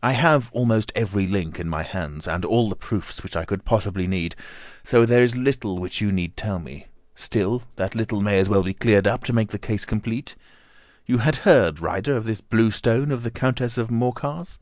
"I have almost every link in my hands, and all the proofs which I could possibly need, so there is little which you need tell me. Still, that little may as well be cleared up to make the case complete. You had heard, Ryder, of this blue stone of the Countess of Morcar's?"